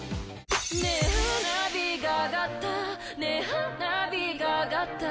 花火が上がった」